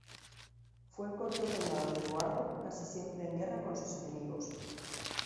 Fue el corto reinado de Eduardo, casi siempre en guerra con sus enemigos.